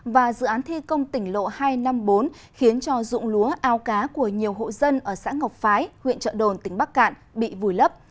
và dự án thi công tỉnh lộ hai trăm năm mươi bốn khiến cho dụng lúa ao cá của nhiều hộ dân ở xã ngọc phái huyện trợ đồn tỉnh bắc cạn bị vùi lấp